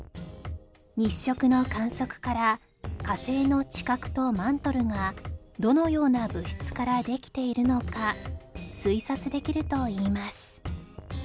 日食の観測から火星の地殻とマントルがどのような物質からできているのか推察できるといいます